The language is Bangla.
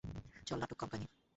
চল, নাটক কোম্পানি।